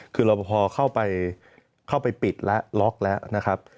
คือรอปภเข้าไปปิดแล้วล็อกแล้วนะครับ